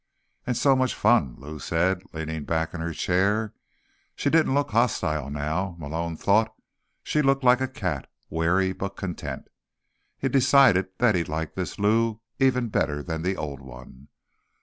"And so much fun," Lou said, leaning back in her chair. She didn't look hostile now, Malone thought; she looked like a cat, wary but content. He decided that he liked this Lou even better than the old one.